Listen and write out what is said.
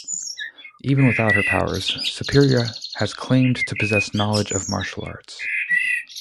Even without her powers, Superia has claimed to possess knowledge of martial arts.